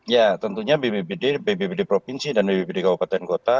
ya tentunya bpbd bpbd provinsi dan bbbd kabupaten kota